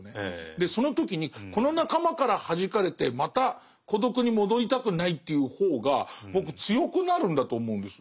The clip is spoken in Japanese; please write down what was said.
でその時にこの仲間からはじかれてまた孤独に戻りたくないっていう方が僕強くなるんだと思うんです。